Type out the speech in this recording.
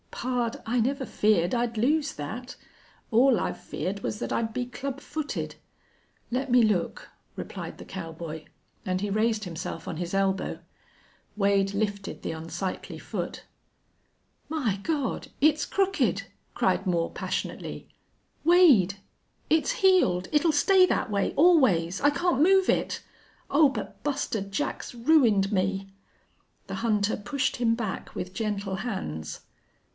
"Pard, I never feared I'd lose that. All I've feared was that I'd be club footed.... Let me look," replied the cowboy, and he raised himself on his elbow. Wade lifted the unsightly foot. "My God, it's crooked!" cried Moore, passionately. "Wade, it's healed. It'll stay that way always! I can't move it!... Oh, but Buster Jack's ruined me!" The hunter pushed him back with gentle hands.